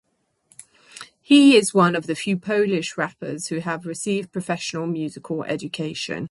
He is one of the few Polish rappers who have received professional musical education.